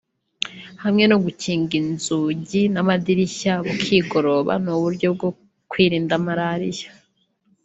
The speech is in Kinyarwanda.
hamwe no gukinga inzugi n’amadirishya bukigoroba ni uburyo nyabwo bwo kwirinda malariya